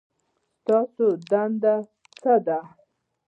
ستاسو دنده څه ده؟